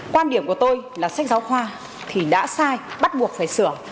quan điểm của tôi là sách giáo khoa thì đã sai bắt buộc phải sửa